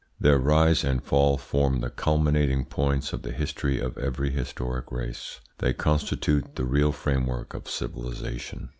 Their rise and fall form the culminating points of the history of every historic race. They constitute the real framework of civilisation.